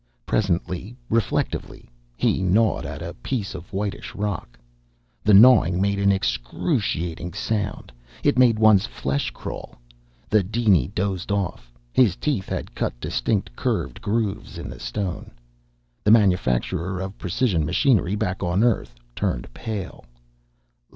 Presently, reflectively, he gnawed at a piece of whitish rock. The gnawing made an excruciating sound. It made one's flesh crawl. The diny dozed off. His teeth had cut distinct, curved grooves in the stone. The manufacturer of precision machinery back on Earth turned pale.